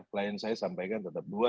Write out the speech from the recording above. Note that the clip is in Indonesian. klien saya sampaikan tetap dua